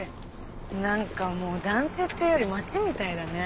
何かもう団地っていうより町みたいだね。